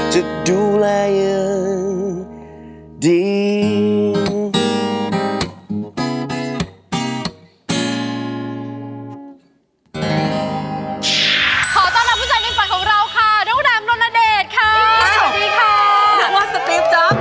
หรือว่าสติฟจ๊อบอ๋อใจ